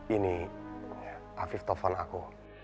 ini afif telfon aku